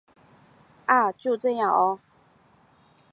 啊！就这样喔